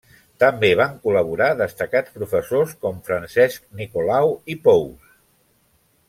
També van col·laborar destacats professors com Francesc Nicolau i Pous.